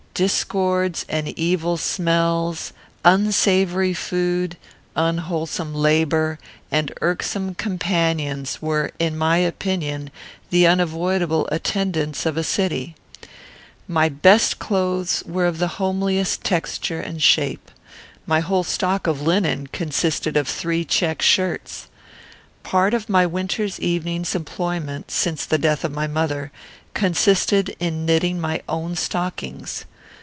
Discords and evil smells, unsavoury food, unwholesome labour, and irksome companions, were, in my opinion, the unavoidable attendants of a city. My best clothes were of the homeliest texture and shape. My whole stock of linen consisted of three check shirts. Part of my winter evenings' employment, since the death of my mother, consisted in knitting my own stockings.